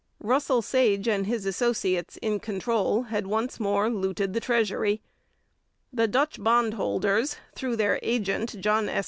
Russell Sage and his associates in control had once more looted the treasury. The Dutch bondholders, through their agent, John S.